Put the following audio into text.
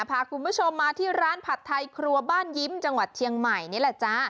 พาคุณผู้ชมมาที่ร้านผัดไทยครัวบ้านยิ้มจังหวัดเชียงใหม่นี่แหละจ๊ะ